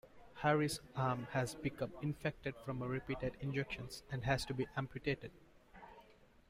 Harry's arm has become infected from repeated injections, and has to be amputated.